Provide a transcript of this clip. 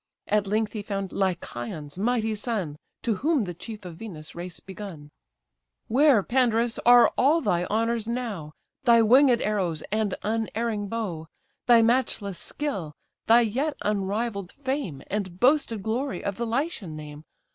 At length he found Lycaon's mighty son; To whom the chief of Venus' race begun: "Where, Pandarus, are all thy honours now, Thy winged arrows and unerring bow, Thy matchless skill, thy yet unrivall'd fame, And boasted glory of the Lycian name?